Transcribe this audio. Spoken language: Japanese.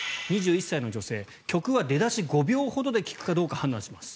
２１歳の女性、曲は出だし５秒ほどで聴くかどうか判断します。